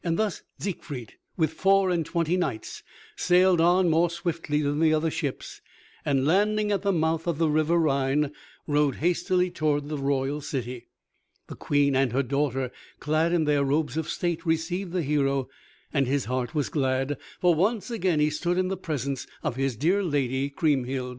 Thus Siegfried with four and twenty knights sailed on more swiftly than the other ships, and landing at the mouth of the river Rhine, rode hastily toward the royal city. The Queen and her daughter, clad in their robes of state, received the hero, and his heart was glad, for once again he stood in the presence of his dear lady, Kriemhild.